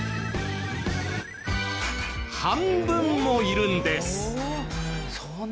半分もいるんです！